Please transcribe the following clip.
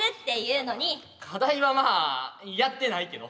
課題はまあやってないけど。